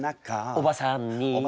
「おばさんに」